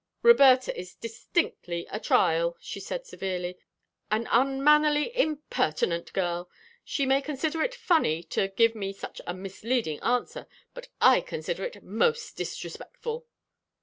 "Roberta is distinctly a trial," she said, severely. "An unmannerly, impertinent girl. She may consider it funny to give me such a misleading answer, but I consider it most disrespectful."